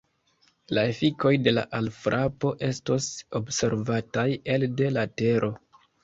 La efikoj de la alfrapo estos observataj elde la Tero.